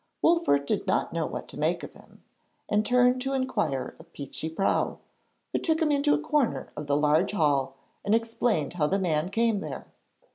Wolfert did not know what to make of him, and turned to inquire of Peechy Prauw, who took him into a corner of the large hall and explained how the man came there.